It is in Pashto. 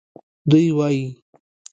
دوی وایي